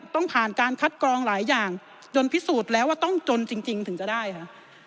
ต้องผ่านการคัดกรองหลายอย่างจนพิสูจน์แล้วว่าต้องจนจริงถึงจะได้ค่ะ